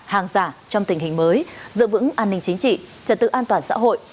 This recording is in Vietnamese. hàng giả trong tình hình mới giữ vững an ninh chính trị trật tự an toàn xã hội